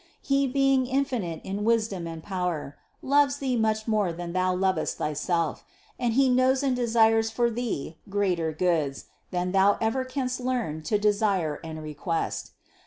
He being in finite in wisdom and power, loves thee much more than thou lovest thyself, and He knows and desires for thee greater goods, than thou ever canst learn to desire and request.